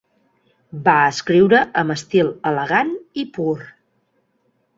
Va escriure amb estil elegant i pur.